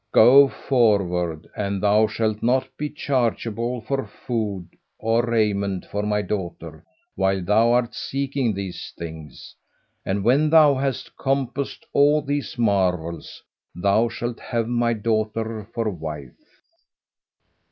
"Go forward. And thou shalt not be chargeable for food or raiment for my daughter while thou art seeking these things; and when thou hast compassed all these marvels, thou shalt have my daughter for wife."